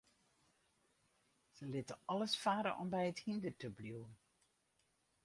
Se litte alles farre om by it hynder te bliuwen.